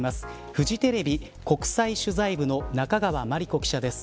フジテレビ国際取材部の中川真理子記者です。